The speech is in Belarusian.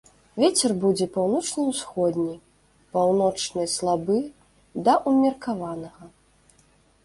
Вецер будзе паўночна-ўсходні, паўночны слабы да ўмеркаванага.